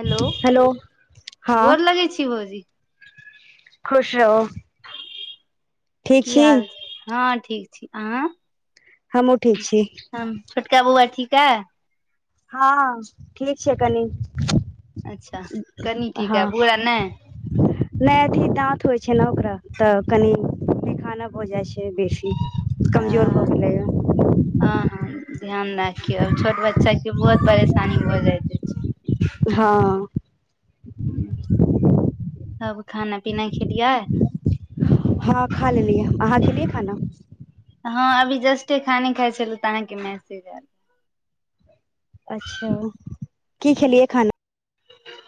Hello हँ गोर लगै छी भौजी खुश रहु की हाल हँ ठीक छी अहाँ हमु ठीक छी छोटका बउआ ठीक अ हं ठीक छै कनी अच्छा कनि ठीक है पुरा नै नै अथी दाँत होइ छै ने ओकरा तऽ कनि खाना भ जायछै बेसी कमजोर भऽ आ गेलैए हँ हं ध्यान राखिऔ आब छोट बच्चा के बहुत परेशानी हो जाइत अछि हँ तब खाना पीना खेलियै हं खा लेलियै अहाँ खेलियै खाना हँ अभी जस्टे खाने खाइ छल तऽ अहाँके मैसेज एल अच्छा की खेलियै खाना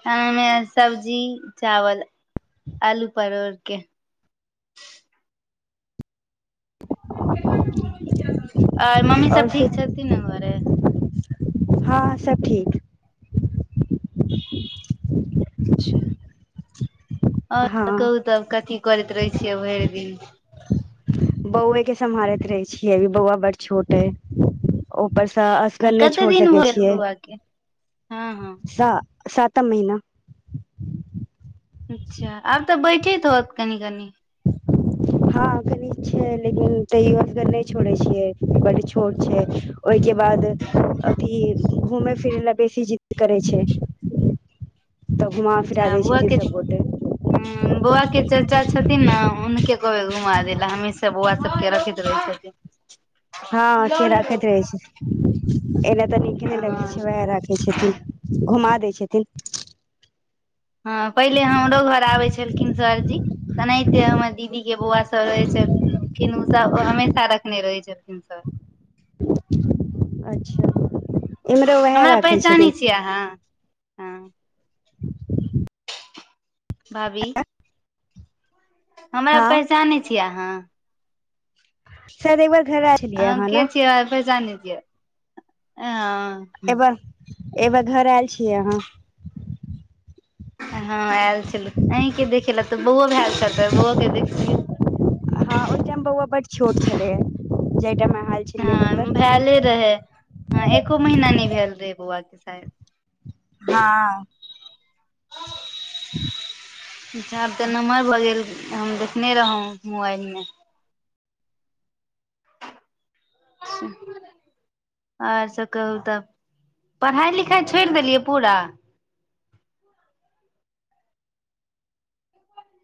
हमे सब्जी चावल आलू परोड़के ह आर मम्मी सब ठीक छथिन ने घरे हं सब ठीक अच्छा ओर हँ कहू तब कथी करैत रहै छियै भइर दिन बौएके सम्हारैत रहै छियै अभी बौआ बड छोट अय ऊपरसँ असगर नै कते छोड़ दिन सकै भऽ गेल छियै बौआ के हँ हँ सा सा तम महिना अच्छा आब तऽ बैठैत होत कनि कनि हँ कनिक छै लेकिन तैयो असगर नय छो र छियै बड छोट छै ओहिके बाद अथी घूमे फिर लगे छै जिद करै छै तब घुमा फिरा दै छथिन सब गोटे हं बौआ के चाचा छथिन ने हुनके कहबे घुमा दै लै हमेशा बौआ सबके रखैत रहै छथि हँ से राखैत रहे छ एने त नीके नइ लगे हँ छै वएह र क छथिन घुमा दै छथिन हँ पहिले हमरो घर आबै छलखिन सरजी तेनाहिते हमर दीदी के बौआ सब रहै छै खिन उ सब हमेशा रखने रहै छलखिन सब अच्छा इम्हरो ओएह राखै छथिन के आहाँ हं भाबी हमरा हँ पहचानै छीय आहाँ [unintelligible] ह अहाँ ने कछिय पै जानी छियअ हँ एबा एबे घर आयल छीयै अहाँ हँ एल छलहु अहींके देखे ल तऽ बौ भएल छल त बौओ के देखलियै हँ ओहि टाइम बौआ बड छोट छलै जाय टाइम में आं हं मैले रहे ह एको महीना नइ भेल रहे बौआ के शायद हँ छ आब तऽ नमहर भऽ गेल हम देखने रहौं मोबाइलमें अचा [unintelligible] ओर सब कहु तब पढ़ाई लिखाई छोइड़ देलियै पूरा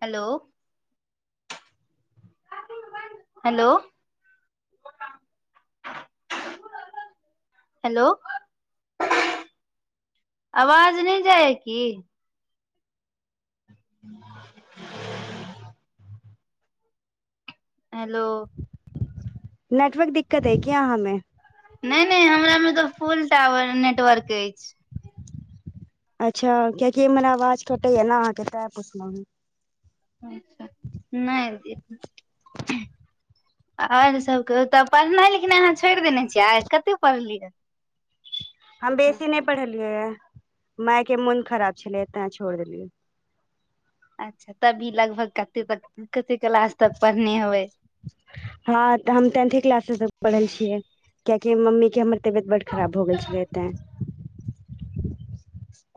हेलो हेलो हेलो वाज नय जाय है की ह [unintelligible] हेलो नेटवर्क दिक्कत अय की अहाँ में नै नै हमरा में तऽ फुल टावर नेटवर्क अछि अच्छा कियेकि इमहर वाज कटै या ने अहाँके तैं पुछलहु नय आर सब कहु तऽ पढ़नाइ लिखनाई अहाँ छोड़ देने छियै आइ कते पढ़लियै हम बेसी नय पढ़लियै माय के मोन खराब छलै तेँ छोड़ देलियै अच्छा तभी लगभग कते कते क्लास तक पढ़ने होबे हँ तऽ हम टेंथे क्लास तक पढ़ल छियै कियैकि मम्मी के हमर तबियत बड्ड खराब भ गेल छलै मै तेँ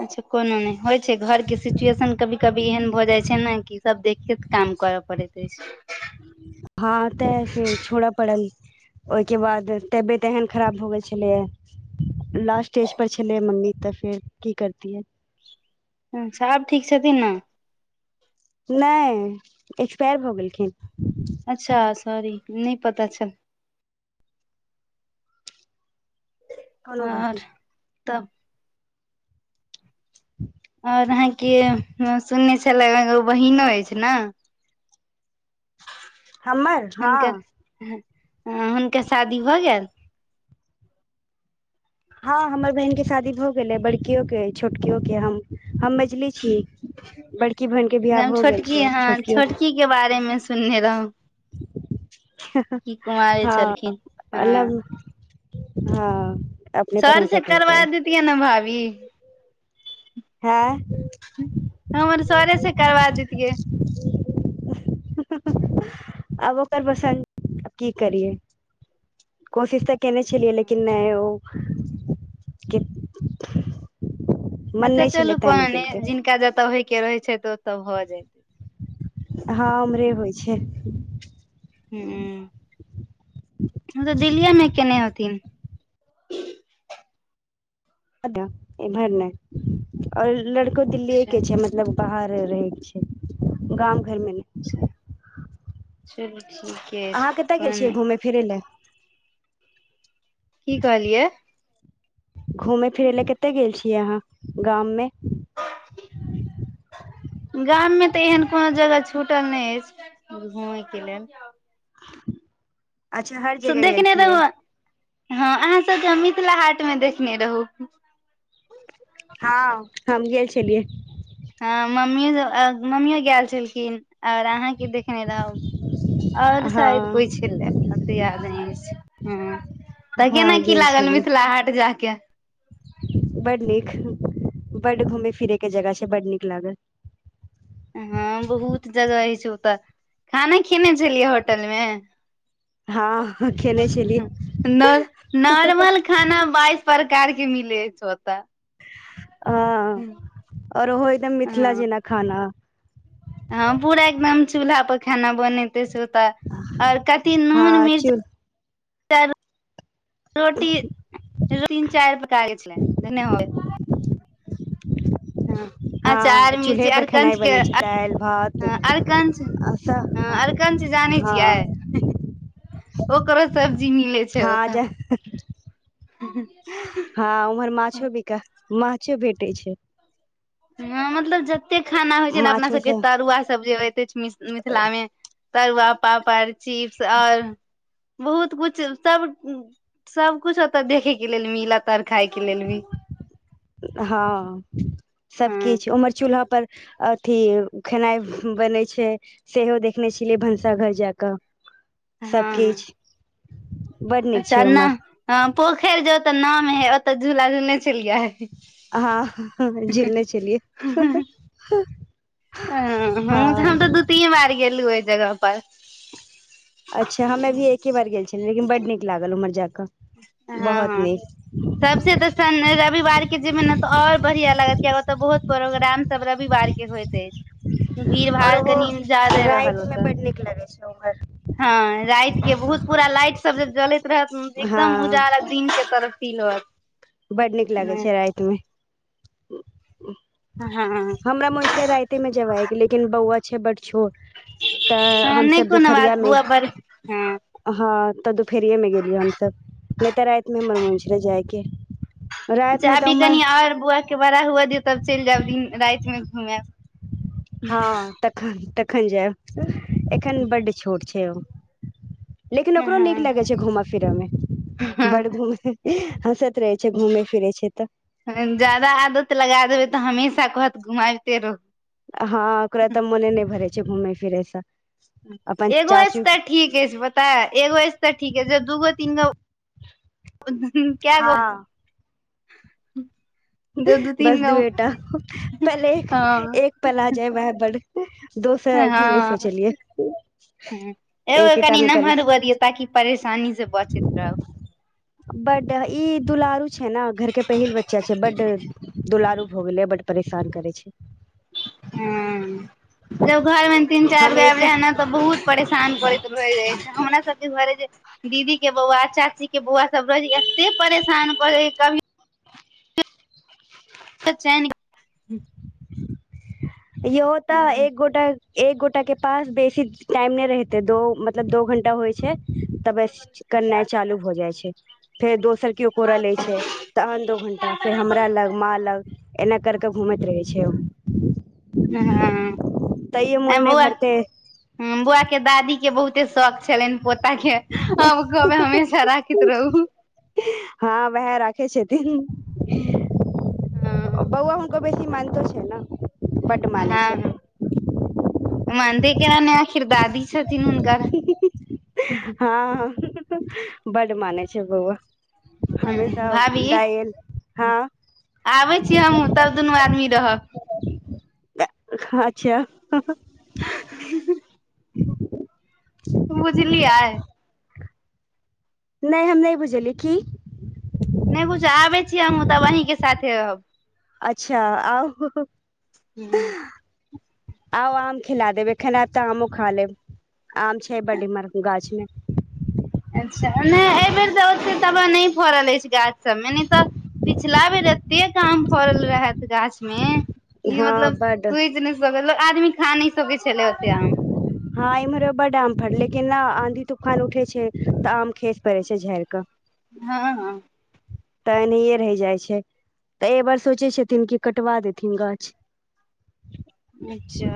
अच्छा कोनो नै होइ छै घरके सिचुएशन कभी कभी एहन भऽ जाइ छै ने कि सब देख क काम करय पड़ेतै [unintelligible] हँ तऽ फेर छोड़ पड़ल ओइके बाद तबियत एहन खराब भऽ गेल छलैए लास्ट स्टेज पर छलै मम्मी तऽ फेर की करतीयै हं साहब ठीक छथिन ने नय एक्सपायर भऽ गेलखिन अच्छा सॉरी नय पता चल कोनो बात आर नहि तब ह [unintelligible] और अहाँके सुनने छलै बहिनो अइछ न हमर हं हं हुनका शादी भऽ गेल हं हमर बहिन के शादी भऽ गेलै बड़कियो के छोटकियो के हम हम मझली छी बड़की बहिन के जे बियाह हम भ गेल छोटकी छै हँ छोटकियो छोटकी के बारे मे सुनने रहं कुमारी हं छलखिन हँ अलग हं अ सर से करवा दतिए ने भाभी हँ हमर सरे से करवा देतिये आब ओकर पसन्द की करियै कोशिश तऽ केने छलियै लेकिन नै ओ कित अच्छा चलू कोनो नै जिनका जतऽ होय के रहै छै तऽ ओतऽ भऽ जते हँ हमरे होइ छै हं तऽ दिल्लियेमें केने होथिन एमहर नय और लड़को दिल्लीए अच्छा के छै मत लब बाहरे रहै छै गाम घरमे नै चलू ठीके छ फिर लय की कहलियै घूमय फिरय लय कतय गेल छि अहाँ गाममे गाम में तऽ एहन कोनो जगह छूटल नै अछि घूमै के लेल अच्छा हर स जगह गेल देखने रहु छियै हँ अहाँ सबके मिथिला हाट मे देखने रहु हं हम गेल छलियै ह मम्मी मम्मीयो गैल छलखिन ओर अहाँके देखने रहूँ ओर हँ शायद कोइ छलै ओ तऽ याद नै ह तऽ केना हँ की गेल लागल छलियै मिथिला हाट जा के बड नीक बड घूमै फिरे के जगह छै बड नीक लागल हं बहुत जगह आइछ ओतऽ खाना खेने छलियै होटल मे हँ खेने छलियै नो नोर्मल खाना बाइस प्रकार के मिले छै ओतऽ हं ओर ओहो एकदम मिथिला हँ जेना खाना हँ पूरा एकदम चूल्हा पर खाना बननैते छै ओत और कथि नून हँ चूल मिर्चा क रोटी तीन चारि कागे छलै ध हो हँ हँ अचार चूल्हे मिर्ची पर खेनाइ अरकंचके बनै छै दालि भात हँ अरकंच आ हँ सब। अरकंच जानै छियै हँ ओकरो सब्जी मिलै छै हँ ओत जे हँ उम्हर माछो बिका माछो भेटै छै हं मतलब जतेक खाना होइ छै ने अपना माछो सबके सब तरुआ सब जे होइत अछि मि मिथिला में तरुआ पापड़ चिप्स ओर बहुत कुछ सब सब कुछ ओत देखै के लेल मिलत और खाय के लेल भी हँ सब हँ किछु उमर चूल्हा पर अथी खेनाइ बनै छे सेहो देखने छलियै भनसा घर जा कऽ सब हँ किछ अच्छा ना हं पोखइर जे ओत नाम हय ओत झूला झूलने छलिय हाँ झुलने छलिए हं हम तऽ हम तऽ दू तीन बार गेलहु ओहि जगह पर अच्छा हमे भी एके बार गेल छलियै लेकिन बड्ड नीक लागल उम्हर जाकऽ हँ बहोत हँ नीक सबसे तऽ सन रविवार के जैबे न तो और बढ़िया लगत कियाते बहुत प्रोग्राम सब रविवार के होइत अछि भीड़ और भाड़ ओहो कनि जादे रहल राति मे ओत बड नीक लगे छै उम्हर हँ राइत के बहुत पूरा लाइट सब जे जलैत रहत एकदम हँ उजार दिन के तरफ तीन बार बड नीक लागै छै राइतमे हँ हमरा मुन छले राइते मे जेबा ह लेकिन बौआ छै बड छोट तऽ नहि हमसब कोनो बात दुपहरियामे बौआ बड़ हँ हँ तऽ दुपेरिए मे गेलियै हमस नहि तऽ राइत में हमर मुन छले जयके अच्छा अभी कनि ओर बौआके बड़ा हुअ दियौ तब चलि जायब दिन रातिमे घूमे हाँ तखन तखन जायब एखन बड्ड छोट छै ओ लेकिन ओकरो नीक हँ लगै छै घूम फिरयमे हँ बड़ घूम हँसैत रहै छै घूमै फिरे छै त जादा आदत लगा देबै तऽ हमेशा कहत घुमाइबते रहो हँ ओकरा तऽ मोने न नय भरे छै घूम फिरयसँ एगो स त ठीक अछि पता ए एगो अछि त ठीक जब दूगो तीन गो क्य गो हँ दू दू बस तीन गो दूएटा पल एक हँ एक पल आ जाय वह बड़ दोसर हँ एखन नै ह सोचलियै एगो एकेटा कनि मे पड़ नमहर हुअ दियौ ताकि परेशानी से बचैत रहब बड इ दुलारू छै न घर के पहिल बच्चा छै बड दुलारू भ गेलै बड परेशान करै छै हं तब घरमे तीन चार गब हमेशा रह ने बहुत परेशान करैत रहै छै हमरा सबके घरे जे दीदी के बौआ चाची के बौआ सब रहै छै एते परेशान करै है कभी चैन इहो तऽ एक गोटा एक गोटा के पास बेसी टाइम नै रहते दो मतलब दो घंटा होइ छै तबस करनाइ चालू भऽ जाइ छै फेर दोसर किओ कोरा लय छै तहन दो घंटा फेर हमरा लग माँ लग एना करके घूमैत रहय छै ओ हँ तइओ मोने भरते हं बौआ के दादी के बहुते शौक छलनि पोता के आब गब हमेशा राख रहू हँ वएह राखै छथिन हँ को बेसी मानतो छै ने बड मानै हँ छै हँ मानते केना नेआखिर दादी छथिन हुनकर हँ बड्ड मने छै बौआ ह हमेशा भाभी दा इल हँ आबै छीय हमु तब दुनू आदमी रहब अच्छा बुझलियै नै हम नै बुझली की नै बुझ आबै छी हमहु तब अहींके साथे रहब अच्छा आ हूँ आउ आम खिला देब एखन एब तऽ आमो खा लेब आम छै बड इमर गाछ में अच्छा नय एहि बेेर तऽ ओतेक तबा नै फड़ल अछि गाछसबमे नय तऽ पिछला बेर एतेक काम फड़ल रहैथ गाछ में कि हँ मतलब बड सोचि नै सकै आदमी खा नै सकै छले ओते आम हँ इम्हरो बड आम फड़ल लेकिन न आंधी तूफान उठे छै तऽ आम खेस पड़े छै झड़ि कऽ हँ हँ तऽ एनाहिए रहि जाइ छै तऽ एहि बार सोचै छथिन कि कटवा देथिन गाछ अच्छा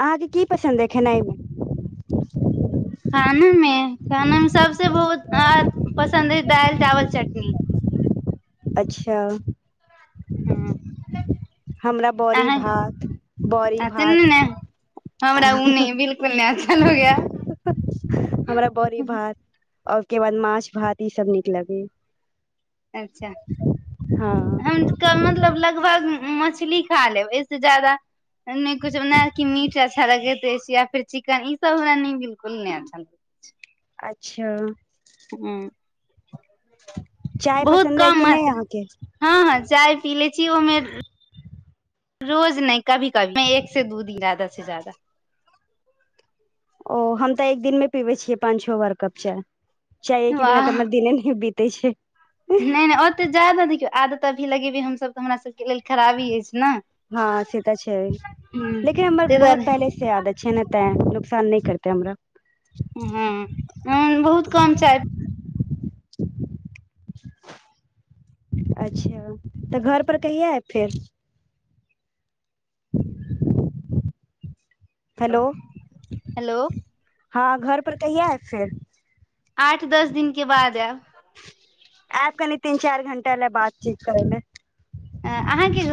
आहाँके की पसन्द अय खेनाइमे खाना में खाना में सबस बहुत पसन्द हइ दालि चावल चटनी अच्छा हँ हमरा बड़ी अहं भात बड़ी आ चीनी भात ने हमरा उ नय बिल्कुल [unintelligible] हमरा बड़ी भात और ओहिके बाद माछ भात ई सब नीक लगै अच्छा हँ हम क मतलब लगभग मछली खा लेब एहसे ज्यादा नै कुछ ओना कि मीट अच्छा लगै अछि या फेर चिकन ई सब हमरा ने बिलकुल नै अच्छा लागै अच्छा हूँ चाय बहुत पसन्द अइ कम कि नै मात्रा अहाँके हँ हँ चाय पी लै छी ओहमे रोज नइ कभी कभी कभी एक से दू दी जादा से ज्यादा ओ हम तऽ एक दिन में पीबै छियै पांच छौ बार कप चाय चाये के बिना तऽ हमर दिने नै बीत तै छे नै नै ओते जादा देखियौ आदत त अभी लगेबे हमस ब तऽ हमरा सबके लेल खराबी अछि ने हँ से तऽ छै हूँ लेकिन हमर तै दुआरे बहुत पहिले से आदत छै ने तैं नुकसान नै करते हमरा हँ हम बहुत कम चाय अच्छा तऽ घर पर कहिआ एब फेर हेलो हेलो हँ घर पर कहिआ एब फेर आठ दस दिनके बाद एब एब कनि तीन चारि घंटा ले बात चीत करे ले ऐं अहाँके घ